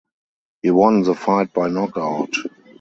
He won the fight by knockout.